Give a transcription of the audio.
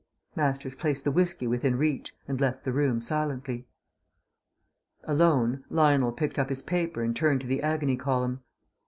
Masters placed the whisky within reach and left the room silently. Alone, Lionel picked up his paper and turned to the Agony Column.